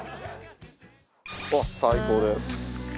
おっ最高です。